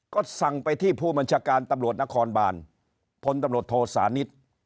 ก็สั่งไปที่ผู้บัญชาการตำรวจนครบานพลตำรวจโทสานิท